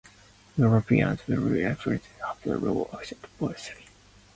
Eruptions will be effusive if the magma has a low ascent velocity.